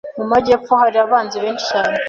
Mu majyepfo hari abanzi benshi cyane.